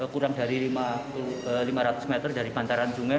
kurang dari lima ratus meter dari bantaran sungai